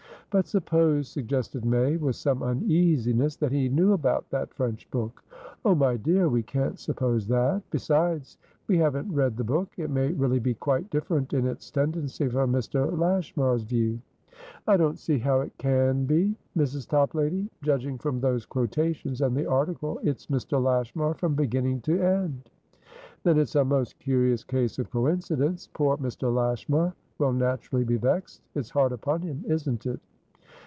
"But suppose," suggested May, with some uneasiness, "that he knew about that French book?" "Oh, my dear, we can't suppose that! Besides, we haven't read the book. It may really be quite different in its tendency from Mr. Lashmar's view." "I don't see how it can be, Mrs. Toplady. Judging from those quotations, and the article, it's Mr. Lashmar from beginning to end." "Then it's a most curious case of coincidence. Poor Mr. Lashmar will naturally be vexed. It's hard upon him, isn't it?"